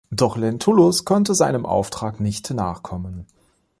Doch Lentulus konnte seinem Auftrag nicht nachkommen.